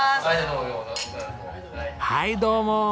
はいどうも！